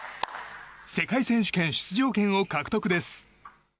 世界選手権出場権を獲得です。